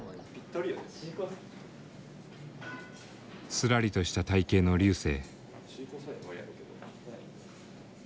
すらりとした体形の瑠星。